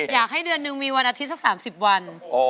อยากให้เดือนนึงมีวันอาทิตย์สัก๓๐วัน